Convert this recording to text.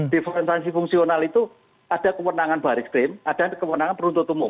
diferensasi fungsional itu ada kemenangan baris rem ada kemenangan peruntut umum